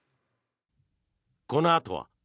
このあとは。